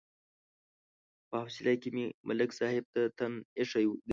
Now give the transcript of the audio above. په حوصله کې مې ملک صاحب ته تن ایښی دی.